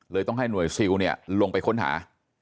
เลยต้องให้หน่วยซิลลงไปค้นหา